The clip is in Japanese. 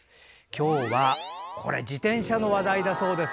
今日は自転車の話題だそうです。